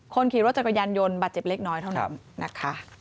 คนขี่รถจักรยานยนต์บาดเจ็บเล็กน้อยเท่านั้นนะคะ